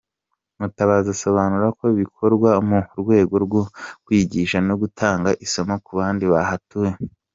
Mutabazi asobanura ko bikorwa mu rwego rwo kwigisha no gutanga isomo ku bandi bahatuye.